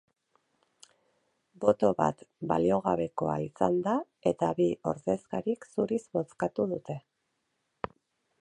Boto bat baliogabekoa izan da eta bi ordezkarik zuriz bozkatu dute.